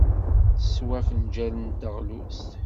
Teswa afenjal n teɣlust.